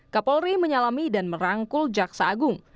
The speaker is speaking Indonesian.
kapolri menyalami dan merangkul jaksa agung